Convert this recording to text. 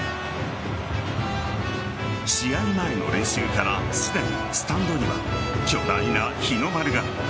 試合前の練習からすでにスタンドには巨大な日の丸が。